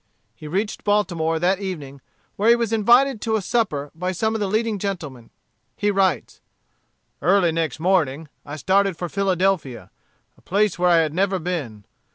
He reached Baltimore that evening, where he was invited to a supper by some of the leading gentlemen. He writes: "Early next morning. I started for Philadelphia, a place where I had never been.